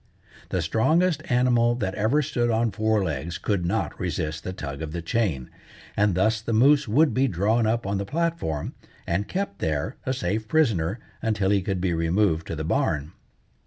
The strongest animal that ever stood on four legs could not resist the tug of the chain, and thus the moose would be drawn up on the platform, and kept there, a safe prisoner, until he could be removed to the barn.